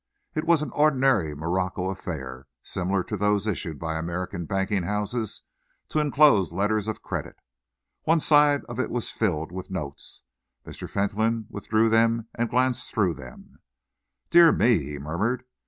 It was an ordinary morocco affair, similar to those issued by American banking houses to enclose letters of credit. One side of it was filled with notes. Mr. Fentolin withdrew them and glanced them through. "Dear me!" he murmured.